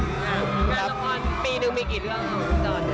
กันกุศลปีนึงมีกี่เรื่องครับฟุตบอล